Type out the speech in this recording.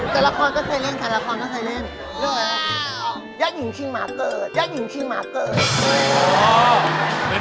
เจ้าหญิงชิงหมาเกิด